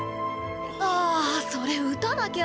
あそれ打たなきゃ。